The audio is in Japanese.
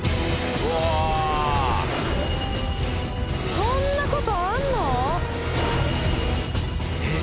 そんなことあんの⁉えっ？